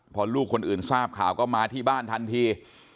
พอลูกคนอื่นทราบข่าวก็มาที่บ้านทันที